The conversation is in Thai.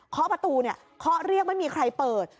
เคาะประตูเนี่ยเคาะเรียกไม่มีใครเปิด